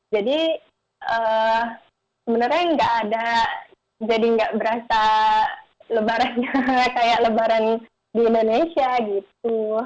jadi sebenarnya nggak ada jadi nggak berasa lebarannya kayak lebaran di indonesia gitu